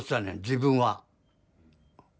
自分は。